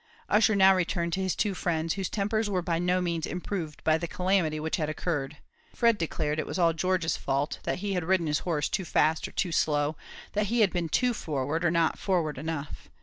Ussher now returned to his two friends, whose tempers were by no means improved by the calamity which had occurred. Fred declared it was all George's fault that he had ridden his horse too fast or too slow that he had been too forward, or not forward enough.